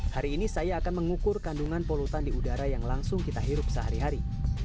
hari ini saya akan mengukur kandungan polutan di udara yang langsung kita hirup sehari hari